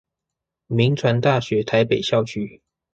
銘傳大學台北校區